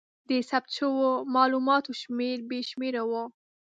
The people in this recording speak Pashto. د ثبت شوو مالوماتو شمېر بې شمېره و.